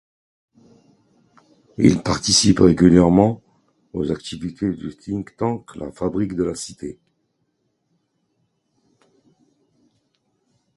Il participe régulièrement aux activités du think tank La Fabrique de la Cité.